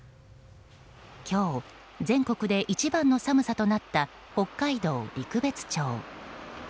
今日、全国で一番の寒さとなった北海道陸別町。